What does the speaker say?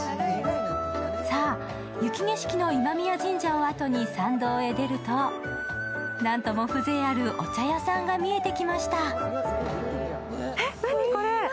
さぁ、雪景色の今宮神社をあとに参道へ出るとなんとも風情あるお茶屋さんが見えてきました。